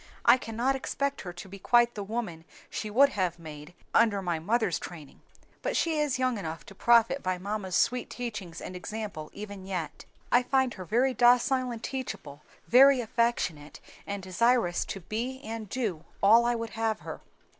"I cannot expect her to be quite the woman she would have made under my mother's training; but she is young enough to profit by mamma's sweet teachings and example even yet. I find her very docile and teachable, very affectionate, and desirous to be and do all I would have her."